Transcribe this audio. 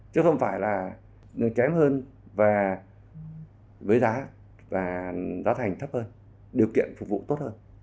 chứ không phải là kém hơn và với giá và giá thành thấp hơn điều kiện phục vụ tốt hơn